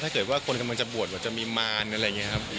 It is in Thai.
ถ้าเกิดว่าคนกำลังจะบวชแบบจะมีมารอะไรอย่างนี้ครับ